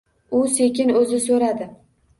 U sekin oʻzi soʻradi.